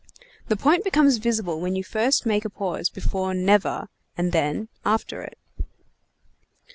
The point becomes visible when you first make a pause before "never," and then after it.